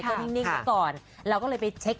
ก็นิ่งเผื่อก่อนแล้วก็เลยไปเช็ค